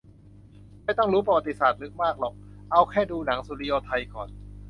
ไม่ต้องรู้ประวัติศาสตร์ลึกมากหรอกเอาแค่ดูหนังสุริโยไทก่อน